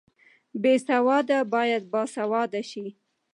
بې سواده باید باسواده شي